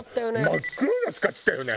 真っ黒の使ってたよね。